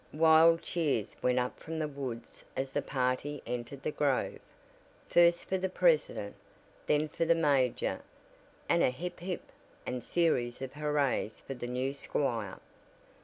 Wild cheers went up from the woods as the party entered the grove; first for the president, then for the major and a "hip hip" and series of hurrahs for the new squire.